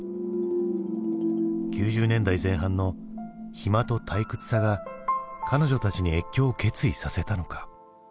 ９０年代前半の暇と退屈さが彼女たちに越境を決意させたのか。